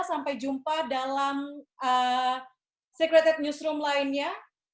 sampai jumpa dalam secret at newsroom lainnya